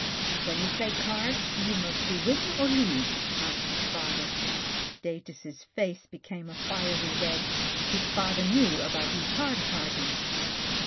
When you play cards, do you mostly win or lose ?" asked his father. Datus' face became a fiery red. His father knew about his card parties.